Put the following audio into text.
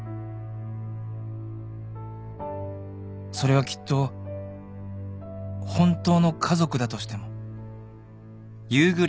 それはきっと本当の家族だとしても